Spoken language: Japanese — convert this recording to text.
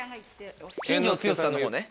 新庄剛志さんのほうね